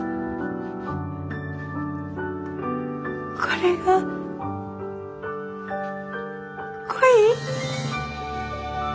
これが恋？